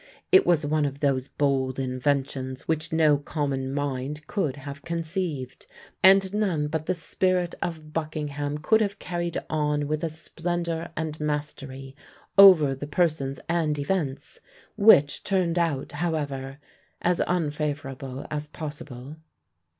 It was one of those bold inventions which no common mind could have conceived, and none but the spirit of Buckingham could have carried on with a splendour and mastery over the persons and events, which turned out, however, as unfavourable as possible.